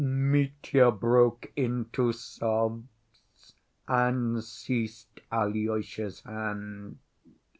Mitya broke into sobs and seized Alyosha's hand.